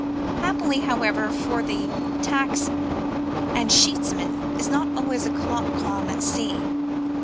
Happily, however, for the "tacks and sheetsman, is not always a clock calm at sea.